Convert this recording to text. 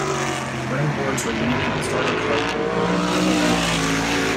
Running boards were unique to the starter truck due to the narrow cargo bed.